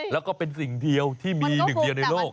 แล้วก็เป็นสิ่งเดียวที่มีหนึ่งเดียวในโลก